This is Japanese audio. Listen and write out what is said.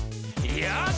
よし！